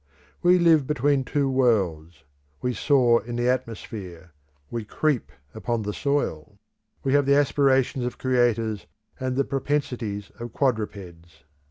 We live between two worlds; we soar in the atmosphere; we creep upon the soil; we have the aspirations of creators and the propensities of quadrupeds.